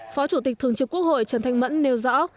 phó chủ tịch thường trực quốc hội trần thanh mẫn nêu rõ